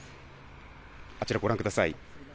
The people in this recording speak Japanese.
あちら、ご覧ください。